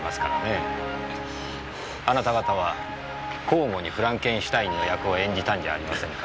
あなた方は交互にフランケンを演じたんじゃありませんか？